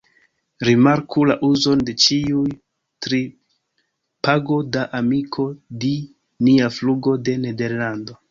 Rimarku la uzon de ĉiuj tri: "pago da amiko di nia flugo de Nederlando".